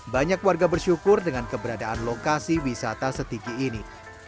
banyak warga bersyukur dengan keberadaan lokasi wisata setigi ini